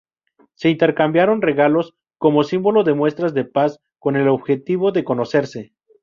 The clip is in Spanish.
Se intercambiaron regalos como símbolo de muestras de paz con el objetivo de conocerse.